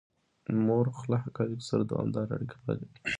مورخ له حقایقو سره دوامداره اړیکه پالي.